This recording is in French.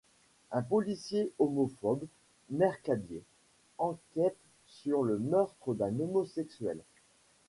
Un policier homophobe, Mercadier, enquête sur le meurtre d'un homosexuel.